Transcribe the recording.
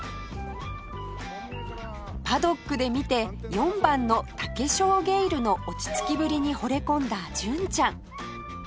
パドックで見て４番のタケショウゲイルの落ち着きぶりに惚れ込んだ純ちゃん